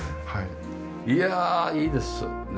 いやいいですねえ。